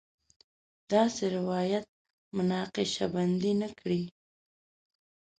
داسې روایت مناقشې بنده نه کړي.